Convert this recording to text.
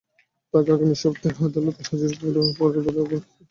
তাঁকে আগামী সপ্তাহেই আদালতে হাজির করা হতে পারে বলে রাষ্ট্রীয় সংবাদমাধ্যম জানিয়েছে।